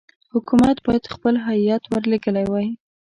حکومت باید خپل هیات ورلېږلی وای.